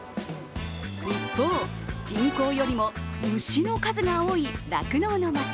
一方、人口よりも牛の数が多い、酪農の町